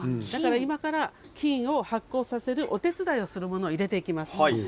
今から菌を発酵させるお手伝いをするものを入れていきます。